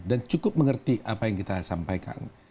dan cukup mengerti apa yang kita sampaikan